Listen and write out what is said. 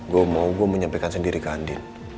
gue mau gue menyampaikan sendiri ke andi